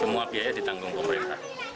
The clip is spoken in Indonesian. semua biaya ditanggung pemerintah